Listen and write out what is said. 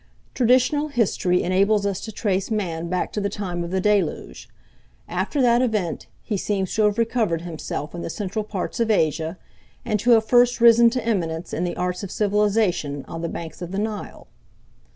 Traditional history enables us to trace man back to the time of the Deluge. After that event he seems to have recovered himself in the central parts of Asia, and to have first risen to eminence in the arts of civilization on the banks of the Nile.